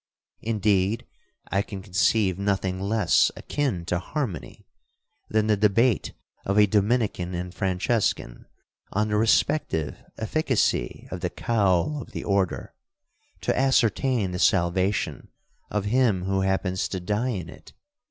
Indeed, I can conceive nothing less a kin to harmony than the debate of a Dominican and Franciscan on the respective efficacy of the cowl of the order, to ascertain the salvation of him who happens to die in it.